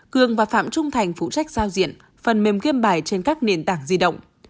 cường và phạm trung thành phụ trách giao diện phần mềm game bài trên các nền tảng di động